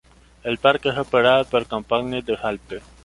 El parque es operado por Compagnie des Alpes.